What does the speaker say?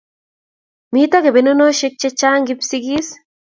Mito kebenoshek chechang Kipsigis